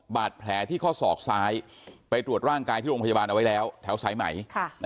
บาดแผลที่ข้อศอกซ้ายไปตรวจร่างกายที่โรงพยาบาลเอาไว้แล้วแถวสายไหม